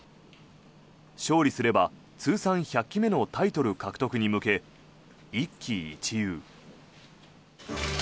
勝利すれば通算１００期目のタイトル獲得に向け一喜一憂。